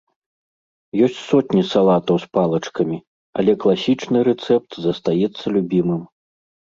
Ёсць сотні салатаў з палачкамі, але класічны рэцэпт застаецца любімым.